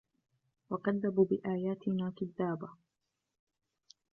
وَكَذَّبوا بِآياتِنا كِذّابًا